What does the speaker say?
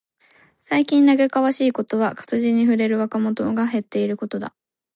最近嘆かわしいことは、活字に触れる若者が減っていることだ。